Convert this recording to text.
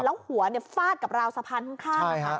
แล้วหัวฟาดกับราวสะพานข้างนะคะ